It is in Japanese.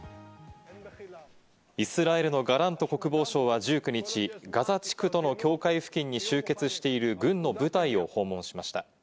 イスラエルのガラント国防相は１９日、ガザ地区との境界付近に集結している軍の部隊を訪問しました。